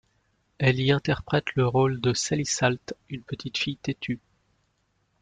Elle y interprète le rôle de Sally Salt, une petite fille têtue.